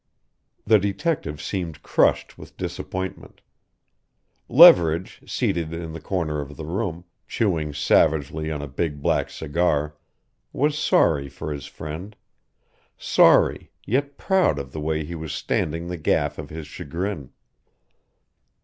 The detective seemed crushed with disappointment. Leverage, seated in the corner of the room, chewing savagely on a big black cigar was sorry for his friend: sorry yet proud of the way he was standing the gaff of his chagrin.